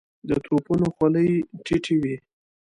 د توپونو خولې ټيټې وې.